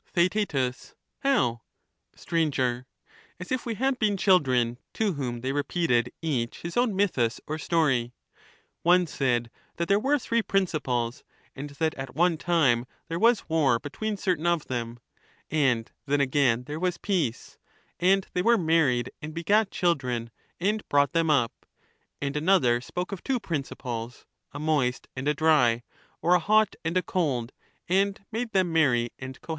Theaet How? Str. As if we had been children, to whom they repeated The early each his own mythus or story; — one said that there were p^^ three principles, and that at one time there was war between sophers certain of them ; and then again there was peace, and they ^^^^ were married and begat children, and brought them up ; and another spoke of two principles,— a moist and a dry, or a hot and a cold, and made them marry and cohabit.